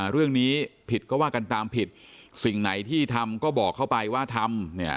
เรื่องนี้ผิดก็ว่ากันตามผิดสิ่งไหนที่ทำก็บอกเข้าไปว่าทำเนี่ย